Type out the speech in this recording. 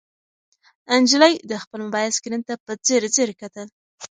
نجلۍ د خپل موبایل سکرین ته په ځیر ځیر کتل.